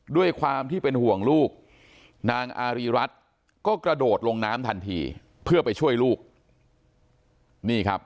ด้วยความที่เป็นห่วงลูกนางอารีรัฐก็กระโดดลงน้ำทันทีเพื่อไปช่วยลูกนี่ครับ